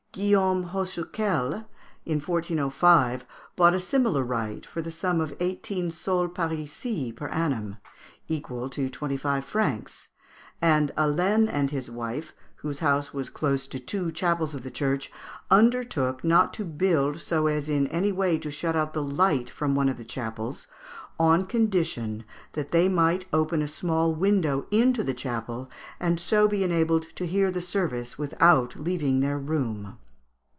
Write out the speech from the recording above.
Guillaume Haussecuel, in 1405, bought a similar right for the sum of eighteen sols parisis per annum (equal to twenty five francs); and Alain and his wife, whose house was close to two chapels of the church, undertook not to build so as in any way to shut out the light from one of the chapels on condition that they might open a small window into the chapel, and so be enabled to hear the service without leaving their room.